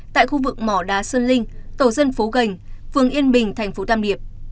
tại khu vực mỏ đá sơn linh tổ dân phố gành phường yên bình tp tam điệp